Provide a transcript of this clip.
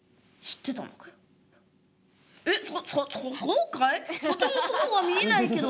とてもそうは見えないけど」。